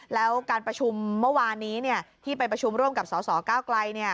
แล้วการประชุมเมื่อวานนี้ที่ไปประชุมร่วมกับสสก้าวไกล